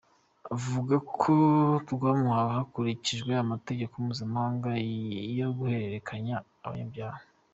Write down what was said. Avuga ko rwamuhawe hakurikijwe amategeko mpuzamahanga yo guhererekanya abanyabyaha.